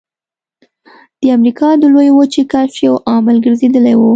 د امریکا د لویې وچې کشف یو عامل ګرځېدلی و.